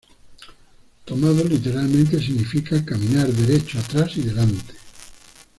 Tomado literalmente significa ‘caminar derecho atrás y adelante’.